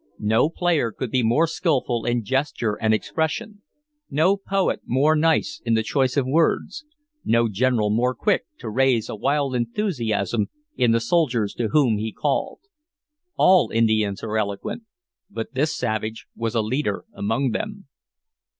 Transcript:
No player could be more skillful in gesture and expression, no poet more nice in the choice of words, no general more quick to raise a wild enthusiasm in the soldiers to whom he called. All Indians are eloquent, but this savage was a leader among them.